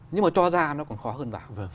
nhưng mà cho ra nó còn khó hơn vào